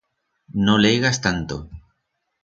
No leigas tanto.